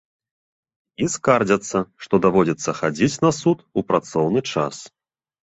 І скардзяцца, што даводзіцца хадзіць на суд у працоўны час!